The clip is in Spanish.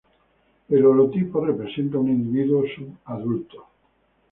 El holotipo representa un individuo subadulto.